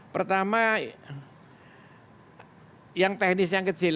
pertama yang teknis yang kecil